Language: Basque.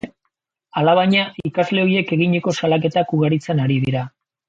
Alabaina, ikasle ohiek eginiko salaketak ugaritzen ari dira.